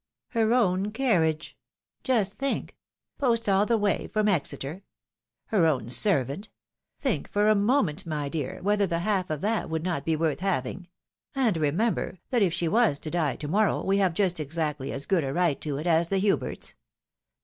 Her own carriage — just think! — post all the way from Exeter. Her own servant — ^think for a moment, my dear, whether the half of that would not be worth having ! and remember, that if she was to die to morrow, we have just exactly as good a right to it as the Huberts.